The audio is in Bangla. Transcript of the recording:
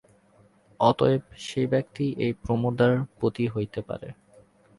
অতএব সেই ব্যক্তিই এই প্রমদার পতি হইতে পারে।